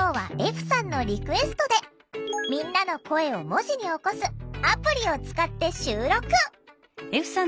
歩さんのリクエストでみんなの声を文字に起こすアプリを使って収録！